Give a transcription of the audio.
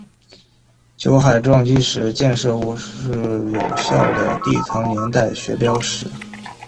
酒海撞击时的溅射物是有效的地层年代学标记。